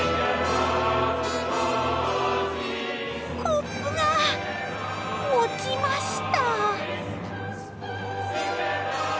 コップが落ちました。